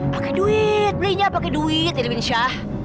pakai duit belinya pakai duit ini binsyah